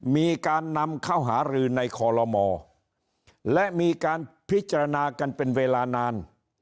มีการนำเข้าหารือในคอลโลมและมีการพิจารณากันเป็นเวลานาน